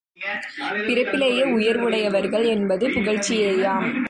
பிறப்பிலேயே உயர்வுடையவர்கள் என்பது புகழ்ச்சியேயாம்.